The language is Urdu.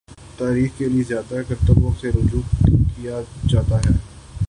تاریخ کے لیے زیادہ ترکتابوں سے رجوع کیا جاتا ہے۔